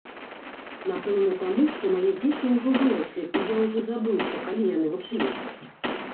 Напэўна таму, што мае дзеці ўжо выраслі, і я ўжо забыўся, калі яны вучыліся.